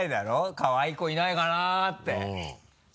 「かわいい子いないかな」って。